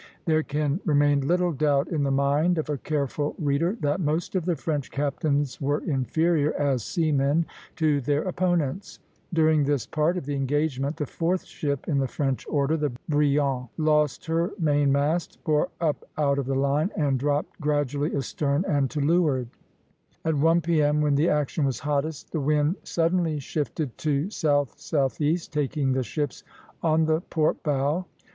There can remain little doubt, in the mind of the careful reader, that most of the French captains were inferior, as seamen, to their opponents. During this part of the engagement the fourth ship in the French order, the "Brilliant" (a), lost her mainmast, bore up out of the line (a'), and dropped gradually astern and to leeward (a'') [Illustration: Pl. XVI. SUFFREN & HUGHES. JULY 6, 1782.] At one P.M., when the action was hottest, the wind suddenly shifted to south southeast, taking the ships on the port bow (Position II.).